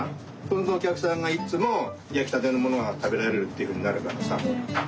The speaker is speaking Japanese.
そうするとおきゃくさんがいっつもやきたてのものがたべられるっていうふうになるからさ。